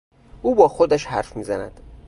او با خودش حرف میزند.